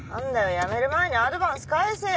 辞める前にアドバンス返せよ！